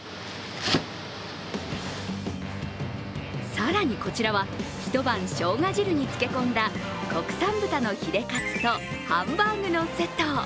更にこちらは一晩しょうが汁に漬け込んだ国産豚のヒレカツとハンバーグのセット。